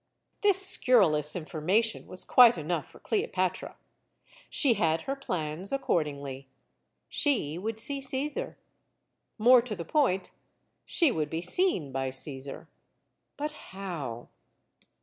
This scurrilous information was quite enough for Cleopatra. She had her plans accordingly. She would see Caesar. More to the point, she would be seen by Caesar. But how?